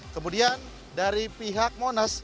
kemudian dari pihak monas